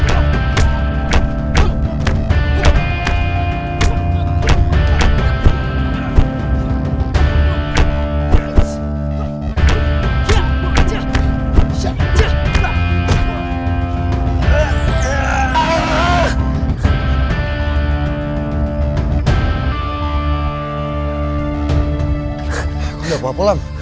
aku udah bawa pulang